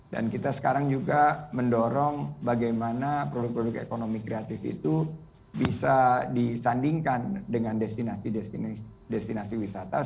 dan kita sekarang juga mendorong bagaimana produk produk ekonomi kreatif itu bisa disandingkan dengan destinasi destinasi lain